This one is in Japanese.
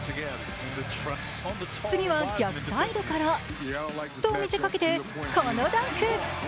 次は逆サイドからと見せかけてこのダンク。